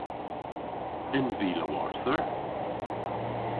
En vy lowarther?